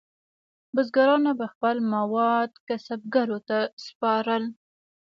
بزګرانو به خپل مواد کسبګرو ته سپارل.